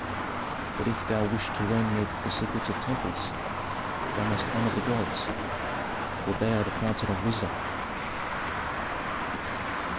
But if thou wish to learn the secrets of temples, thou must honor the gods, for they are the fountain of wisdom."